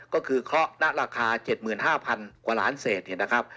ก็คือเคาะหน้าราคา๗๕๐๐๐กว่าล้านเศษนะครับ